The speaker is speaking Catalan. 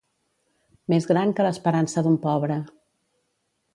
Més gran que l'esperança d'un pobre.